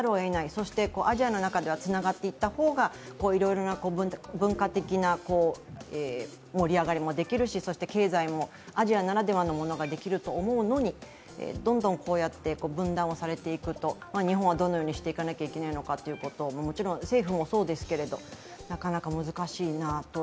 そしてアジアの中ではつながっていった方が文化的な盛り上がりもできるし、経済もアジアならではのものができると思うのにどんどんこうやって分断をされていくと、日本はどのようにしていかなければならないのか、もちろん政府もそうですけれども、なかなか難しいなと。